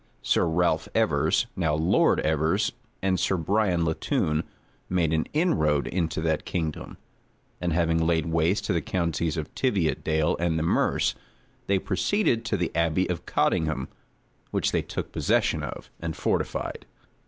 Sir Ralph Evers, now Lord Evers and Sir Bryan Latoun, made an inroad into that kingdom; and having laid waste the counties of Tiviotdale and the Merse, they proceeded to the abbey of Coldingham, which they took possession of, and fortified.